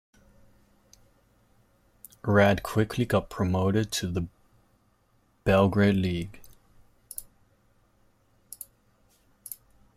Rad quickly got promoted to the Belgrade League.